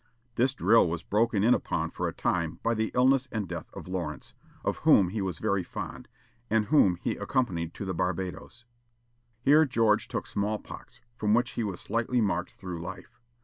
This drill was broken in upon for a time by the illness and death of Lawrence, of whom he was very fond, and whom he accompanied to the Barbadoes. Here George took small pox, from which he was slightly marked through life.